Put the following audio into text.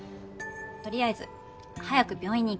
とりあえず早く病院に行きたいの。